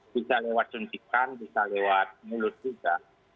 bisa lewat suntikan bisa lewat mulut juga